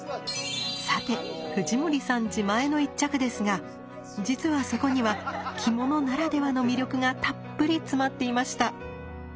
さて藤森さん自前の一着ですが実はそこには着物ならではの魅力がたっぷり詰まっていました。